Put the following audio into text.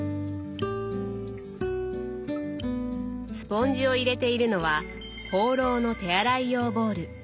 スポンジを入れているのはホーローの手洗い用ボウル。